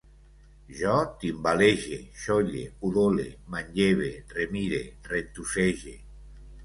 Jo timbalege, xolle, udole, manlleve, remire, rentussege